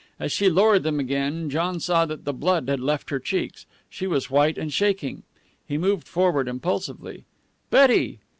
As she lowered them again, John saw that the blood had left her cheeks. She was white and shaking. He moved forward impulsively. "Betty!"